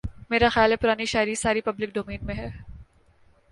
میرا خیال ہے پرانی شاعری ساری پبلک ڈومین میں ہے